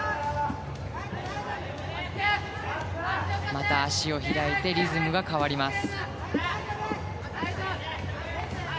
また足を開いてリズムが変わります。